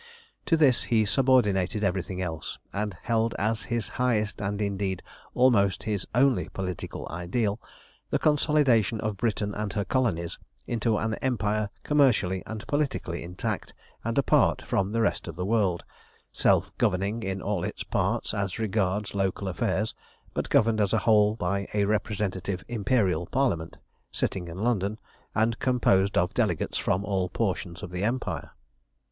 To this he subordinated everything else, and held as his highest, and indeed almost his only political ideal, the consolidation of Britain and her colonies into an empire commercially and politically intact and apart from the rest of the world, self governing in all its parts as regards local affairs, but governed as a whole by a representative Imperial Parliament, sitting in London, and composed of delegates from all portions of the empire.